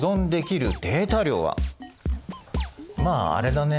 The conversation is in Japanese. まああれだね。